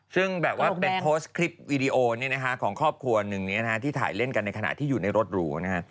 ซึ่งแบบว่าเป็นโพสต์คลิปวีดีโอของครอบครัวหนึ่งที่ถ่ายเล่นกันในขณะที่อยู่ในรถหรูนะฮะ